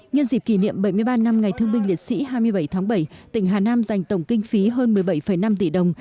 nhân dịp kỷ niệm bảy mươi ba năm ngày thương binh liệt sĩ hai mươi bảy tháng bảy tỉnh hà nam dành tổng kinh phí hơn một mươi bảy năm tỷ đồng